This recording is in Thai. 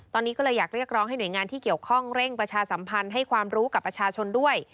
ตอนนี้ก็เลยอยากเรียกร้องให้หน่วยงานที่เกี่ยวข้องเร่งประชาสัมพันธ์ให้ความรู้กับประชาชนด้วย